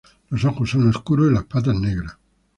Los ojos son oscuros y las patas, negras.